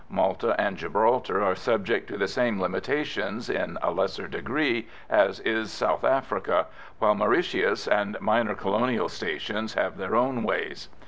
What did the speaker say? Malta and Gibraltar are subject to the same limitations in a lesser degree, as is South Africa, while Mauritius and minor colonial stations have their own ways.